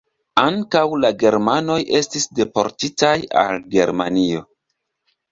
Ankaŭ la germanoj estis deportitaj al Germanio.